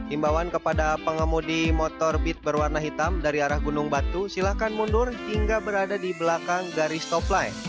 imbauan kepada pengemudi motor bit berwarna hitam dari arah gunung batu silahkan mundur hingga berada di belakang garis toplay